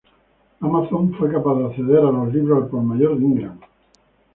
Amazon fue capaz de acceder a los libros al por mayor de Ingram.